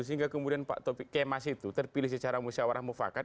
sehingga kemudian pak taufik kemas itu terpilih secara musyawarah mufakat